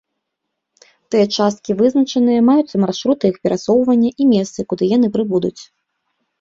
Тыя часткі вызначаныя, маюцца маршруты іх перасоўвання і месцы, куды яны прыбудуць.